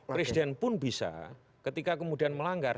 presiden pun bisa ketika kemudian melanggar